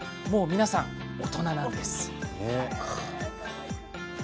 もう皆さん、大人なんです。